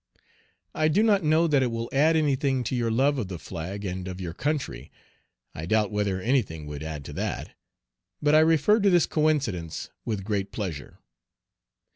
I do not know that it will add any thing to your love of the flag and of your country. I doubt whether any thing would add to that; but I refer to this coincidence with great pleasure.